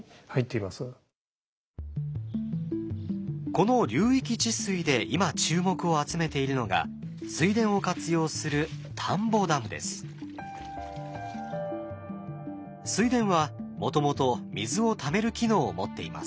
この流域治水で今注目を集めているのが水田を活用する水田はもともと水をためる機能を持っています。